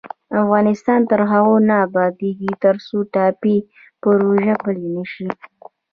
افغانستان تر هغو نه ابادیږي، ترڅو ټاپي پروژه پلې نشي.